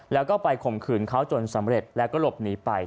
แล้วก็ไปข่มขืนเขาจนสำเร็จแล้วก็หลบหนีไป